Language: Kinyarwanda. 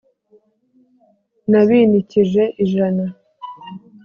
N'abinikije ijana